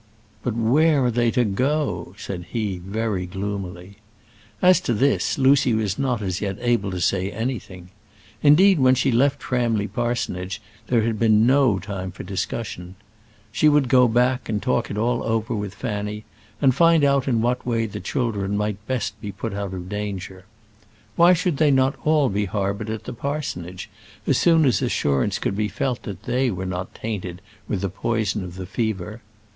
"But where are they to go?" said he, very gloomily. As to this Lucy was not as yet able to say anything. Indeed when she left Framley Parsonage there had been no time for discussion. She would go back and talk it all over with Fanny, and find out in what way the children might be best put out of danger. Why should they not all be harboured at the parsonage, as soon as assurance could be felt that they were not tainted with the poison of the fever?